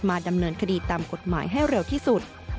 ดำเนินคดีตามกฎหมายให้เร็วที่สุด